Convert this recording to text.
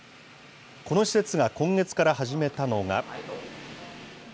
この施設が今月から始めたのが。